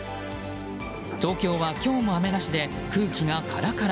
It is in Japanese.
東京は今日も雨なしで空気がカラカラ。